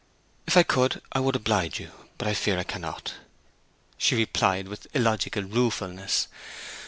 "If I could I would oblige you; but I fear I cannot!" she replied, with illogical ruefulness.